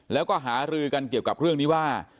แล้วก็หารือกันเกี่ยวกับเรื่องนี้ว่า